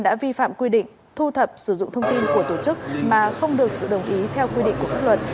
đã vi phạm quy định thu thập sử dụng thông tin của tổ chức mà không được sự đồng ý theo quy định của pháp luật